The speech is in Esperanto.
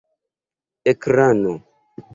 ekrano